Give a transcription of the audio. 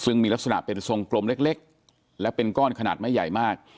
ซึ่งมีลักษณะเป็นทรงกลมเล็กและเป็นก้อนขนาดไม่ใหญ่มาก